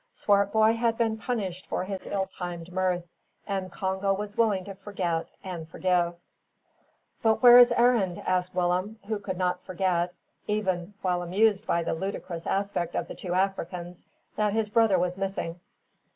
Swartboy had been punished for his ill timed mirth, and Congo was willing to forget and forgive. "But where is Arend?" asked Willem, who could not forget, even while amused by the ludicrous aspect of the two Africans, that his brother was missing.